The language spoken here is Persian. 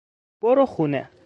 برو خونه!